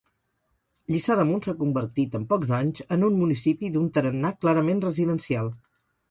Lliçà d'Amunt s'ha convertit en pocs anys en un municipi d'un tarannà clarament residencial.